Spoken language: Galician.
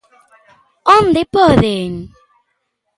¡Onde poden!